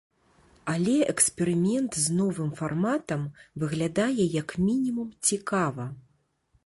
Але эксперымент з новым фарматам выглядае як мінімум цікава.